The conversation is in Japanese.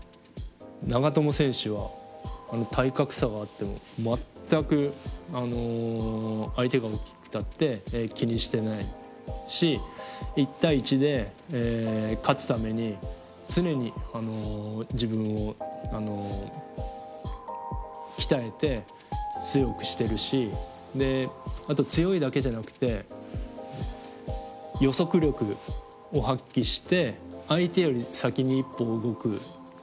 長友選手は体格差があっても全く相手が大きくたって気にしてないし１対１で勝つために常に自分を鍛えて強くしてるしあと強いだけじゃなくて予測力を発揮して相手より先に一歩を動くこと。